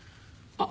あっ！